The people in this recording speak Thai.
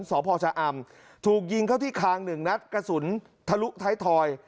สพชะอำถูกยิงเข้าที่คางหนึ่งนัดกระสุนทะลุท้ายทอย